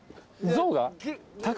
象が？